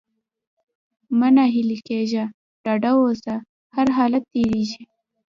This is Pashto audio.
مه ناهيلی کېږه! ډاډه اوسه! هرحالت تېرېږي.